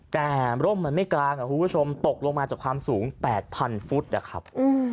แต่ร่มมันไม่กลางคุณผู้ชมตกลงมาจากความสูง๘๐๐ฟุตนะครับ